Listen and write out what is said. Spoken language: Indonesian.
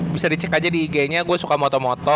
bisa dicek aja di ignya gua suka moto moto